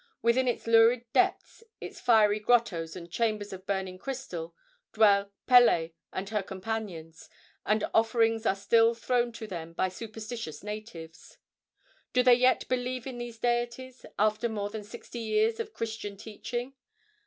Within its lurid depths, in fiery grottoes and chambers of burning crystal, dwell Pele and her companions, and offerings are still thrown to them by superstitious natives. Do they yet believe in these deities after more than sixty years of Christian teaching?